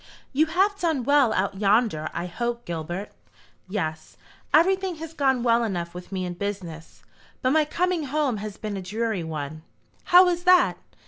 "You have done well out yonder, I hope, Gilbert?" "Yes; everything has gone well enough with me in business. But my coming home has been a dreary one." "How is that?"